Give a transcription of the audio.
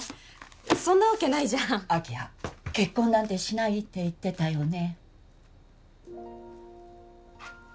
そんなわけないじゃん明葉結婚なんてしないって言ってたよね